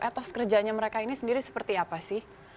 etos kerjanya mereka ini sendiri seperti apa sih